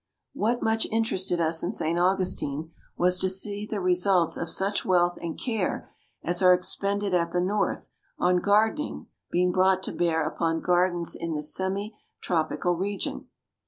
What much interested us in St. Augustine was to see the results of such wealth and care as are expended at the North on gardening being brought to bear upon gardens in this semi tropical region.